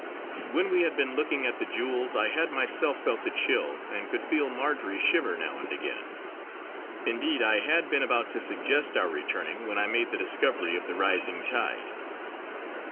When we had been looking at the jewels, I had myself felt the chill, and could feel Marjory shiver now and again. Indeed, I had been about to suggest our returning when I made the discovery of the rising tide.